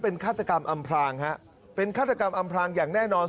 เป็นฆาตกรรมอำพลางฮะเป็นฆาตกรรมอำพลางอย่างแน่นอน